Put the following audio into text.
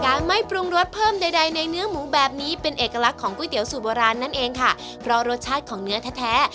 ไม่ปรุงรสเพิ่มใดใดในเนื้อหมูแบบนี้เป็นเอกลักษณ์ของก๋วยเตี๋ยสูตรโบราณนั่นเองค่ะเพราะรสชาติของเนื้อแท้แท้